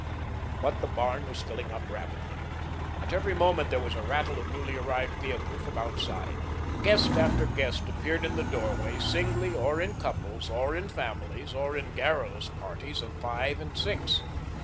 But the barn was filling up rapidly. At every moment there was a rattle of a newly arrived vehicle from outside. Guest after guest appeared in the doorway, singly or in couples, or in families, or in garrulous parties of five and six.